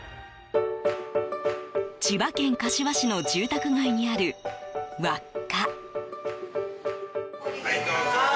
千葉県柏市の住宅街にあるわっ嘉。